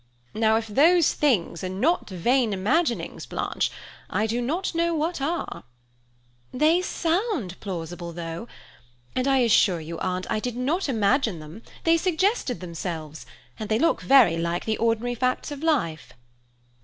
"Now, if those things are not vain imaginings, Blanche, I do not know what are." "They sound plausible, though; and, I assure you, Aunt, I did not imagine them; they suggested themselves, and they look very like the ordinary facts of life.